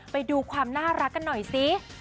ไปดูความน่ารักกันหน่อยสิ